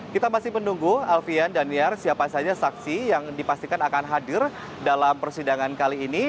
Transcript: kita masih menunggu alfian daniar siapa saja saksi yang dipastikan akan hadir dalam persidangan kali ini